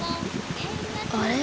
あれ？